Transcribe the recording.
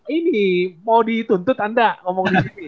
ini mau dituntut anda ngomong disini